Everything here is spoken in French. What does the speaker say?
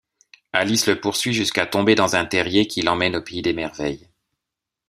Alice le poursuit jusqu'à tomber dans un terrier qui l'emmène au pays des Merveilles.